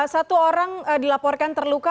satu orang dilaporkan terluka